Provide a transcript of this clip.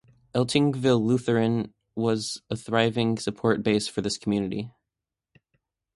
Eltingville Lutheran was a thriving support base for this community.